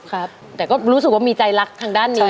ครับแต่ก็รู้สึกว่ามีใจรักทางด้านนี้